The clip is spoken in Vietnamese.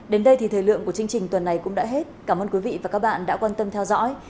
đến đây thì thời lượng của chương trình tuần này cũng đã hết cảm ơn quý vị và các bạn đã quan tâm theo dõi